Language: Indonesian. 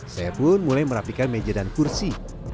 saya pun mulai merapikan meja dan kursi